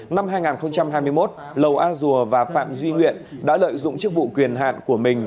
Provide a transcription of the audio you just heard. năm hai nghìn hai mươi một lầu a dùa và phạm duy nguyện đã lợi dụng chức vụ quyền hạn của mình